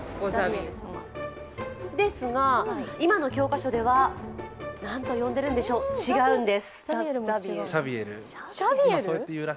ですが、今の教科書では何と呼んでいるんでしょう、違うんです。